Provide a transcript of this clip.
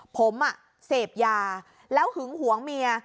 ผมเสพยาแล้วหึงหวงเมีย